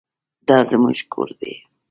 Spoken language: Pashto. دا زموږ ګور دی